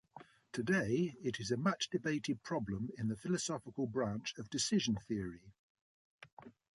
Today it is a much debated problem in the philosophical branch of decision theory.